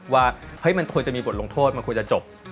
ว่ามันควรจะมีบทลงโทษมันควรจะจบ